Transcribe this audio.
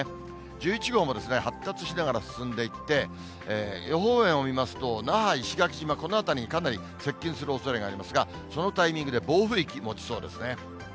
１１号も発達しながら進んでいって、予報円を見ますと、那覇、石垣島、この辺りにかなり接近するおそれがありますが、そのタイミングで暴風域を持ちそうですね。